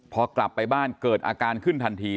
พอกลับไปบ้านเกิดอาการขึ้นทันที